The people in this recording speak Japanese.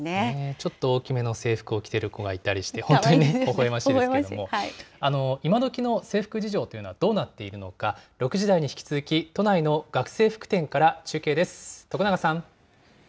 ちょっと大きめの制服を着てる子がいたりして、本当にほほえましいですけれども、今どきの制服事情というのはどうなっているのか、６時台に引き続き、都内の学生服店から中継です。